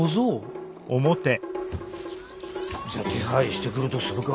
じゃあ手配してくるとするか。